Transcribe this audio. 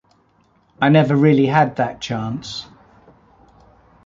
I never really had that chance.